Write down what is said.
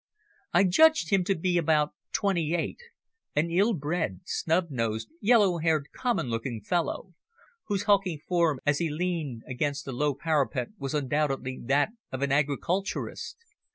I judged him to be about twenty eight, an ill bred, snub nosed, yellow haired common looking fellow, whose hulking form as he leaned against the low parapet was undoubtedly that of an agriculturist.